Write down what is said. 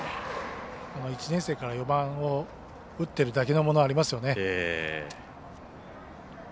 １年生から４番を打ってるだけのものはありますよね。